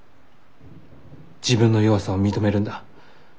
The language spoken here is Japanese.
自分の弱さを認めるんだ。